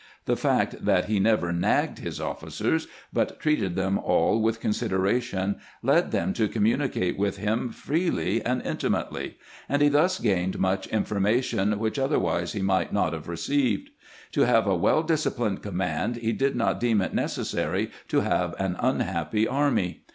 The fact that he never " nagged " his officers, but treated them aU with consideration, led them to communicate with him freely and intimately ; and he thus gained much information which otherwise he might not have received. To have a well disciplined command he did not deem it necessary to have an unhappy army.